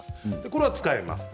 これは使えます。